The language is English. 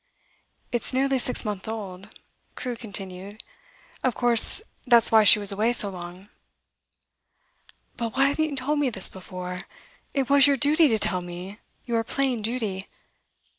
'It's nearly six months old,' Crewe continued. 'Of course that's why she was away so long.' 'But why haven't you told me this before? It was your duty to tell me your plain duty.